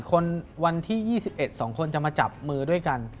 คนวันที่๒๑๒คนจะมาจับมือด้วยกัน